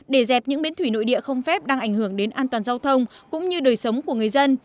để dẹp những bến thủy nội địa không phép đang ảnh hưởng đến an toàn giao thông cũng như đời sống của người dân